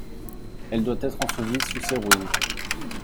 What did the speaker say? «Elle doit être ensevelie sous ses ruines.